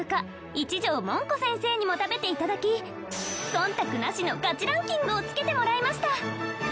一条もんこ先生にも食べて頂き忖度なしのガチランキングをつけてもらいました